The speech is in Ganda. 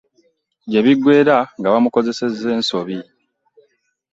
Gye biggweera nga bamukozesezza ensobi.